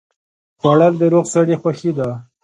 خوړل د روغ سړي خوښي ده